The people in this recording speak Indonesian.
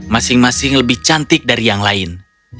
masing masing lebih cantik dari yang lain